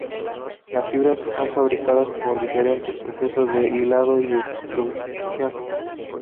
Las fibras son fabricadas por diferentes procesos de hilado y extrusión.